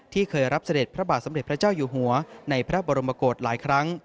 เคยรับเสด็จพระบาทสมเด็จพระเจ้าอยู่หัวในพระบรมกฏหลายครั้ง